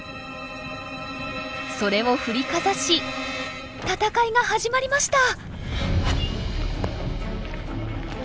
それを振りかざし闘いが始まりました！